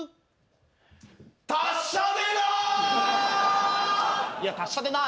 達者でな。